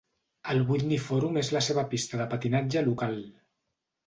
El Whitney Forum és la seva pista de patinatge local.